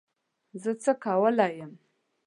زه څه کولای یم